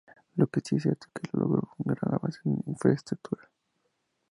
Lo que si es cierto es que logró un gran avance en infraestructura.